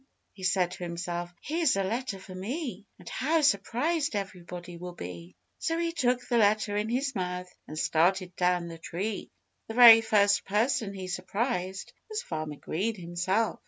he said to himself. "Here's a letter for me! And how surprised everybody will be!" So he took the letter in his mouth and started down the tree. The very first person he surprised was Farmer Green himself.